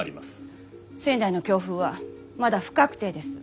仙台の強風はまだ不確定です。